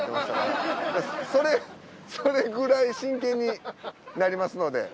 それくらい真剣になりますので。